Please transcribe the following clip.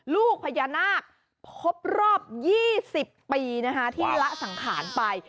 ลูกพญานาคครบรอบ๒๐ปีที่ละสังขารไป